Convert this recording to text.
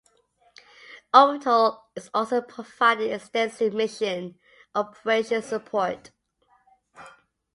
Orbital is also providing extensive mission operations support.